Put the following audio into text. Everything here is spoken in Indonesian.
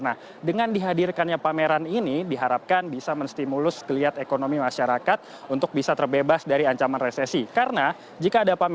nah dengan dihadirkannya pameran ini diharapkan bisa menstimulus geliat ekonomi masyarakat untuk bisa terbebas dari ancaman resesi